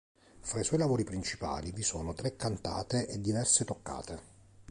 Fra i suoi lavori principali vi sono tre cantate e diverse toccate.